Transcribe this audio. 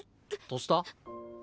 どした？